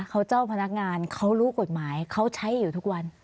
เขาเจ้าพนักงานเขารู้กฎหมายเขาใช้อยู่ทุกวัน